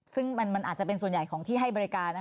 ซึ่งมันอาจจะเป็นส่วนใหญ่ของที่ให้บริการ